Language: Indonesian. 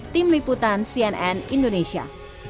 tim liputan cnn indonesia